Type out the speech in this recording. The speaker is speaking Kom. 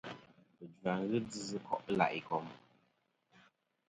Fujva ghɨ djɨ sɨ ko' i la' ikom.